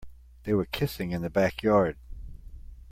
They were kissing in the backyard.